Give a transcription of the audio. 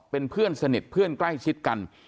เป็นเพื่อนสนิทเพื่อนใกล้ชิดกัน